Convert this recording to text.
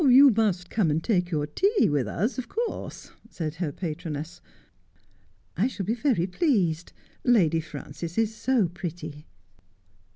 ' You must come and take your tea with us, of course,' said her patroness. ' I shall be very pleased. Lady Frances is so pretty.'